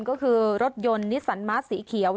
ก็คือรถยนต์นิสสันมาสสีเขียว